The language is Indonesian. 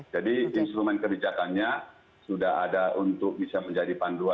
jadi instrumen kebijakannya sudah ada untuk bisa menjadi panduan